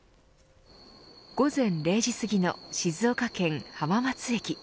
午前０時すぎの静岡県浜松駅。